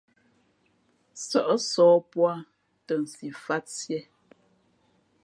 Sα̌ʼ sǒh pō ā ,tα nsi fāt siē.